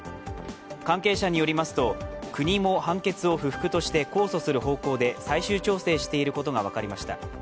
関係者によりますと、国も判決を不服として控訴する方向で最終調整していることが分かりました。